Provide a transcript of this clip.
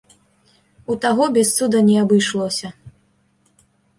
У таго без цуда не абышлося.